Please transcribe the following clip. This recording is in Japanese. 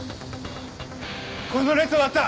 この列終わった！